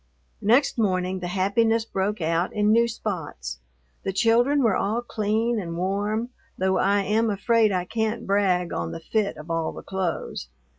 Next morning the happiness broke out in new spots. The children were all clean and warm, though I am afraid I can't brag on the fit of all the clothes.